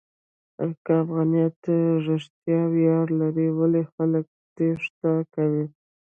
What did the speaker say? که افغانیت رښتیا ویاړ لري، ولې خلک تېښته کوي؟